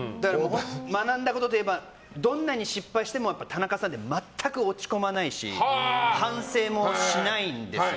学んだことといえばどんなに失敗しても田中さんって全く落ち込まないし反省もしないんですよ。